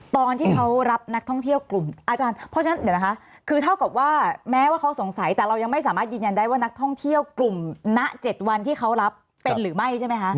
ตอนที่เขารับนักท่องเที่ยวกลุ่มอาจารย์เพราะฉะนั้นเดี๋ยวนะคะคือเท่ากับว่าแม้ว่าเขาสงสัยแต่เรายังไม่สามารถยืนยันได้ว่านักท่องเที่ยวกลุ่มณ๗วันที่เขารับเป็นหรือไม่ใช่ไหมคะ